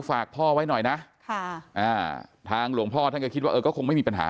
ฝากพ่อไว้หน่อยนะทางหลวงพ่อท่านก็คิดว่าเออก็คงไม่มีปัญหา